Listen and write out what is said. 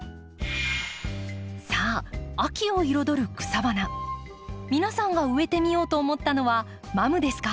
さあ秋を彩る草花皆さんが植えてみようと思ったのはマムですか？